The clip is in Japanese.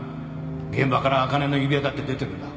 現場からあかねの指輪だって出てるんだ